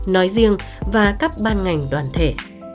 nói riêng và các ban ngành đoàn thể